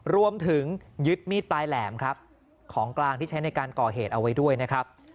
รวมถึงยึดมีดปลายแหลมครับของกลางที่ใช้ในการก่อเหตุเอาไว้ด้วยนะครับ